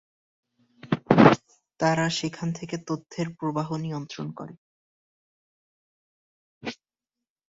তারা সেখান থেকে তথ্যের প্রবাহ নিয়ন্ত্রণ করে।